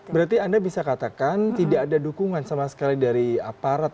berarti anda bisa katakan tidak ada dukungan sama sekali dari aparat